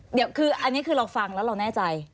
เดี๋ยวคืออันนี้คือเราฟังแล้วเราแน่ใจ